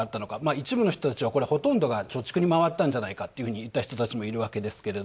一部の人たちはほとんどが貯蓄に回ったんじゃないかといった人たちがいたんですけど